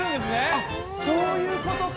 あっそういう事か！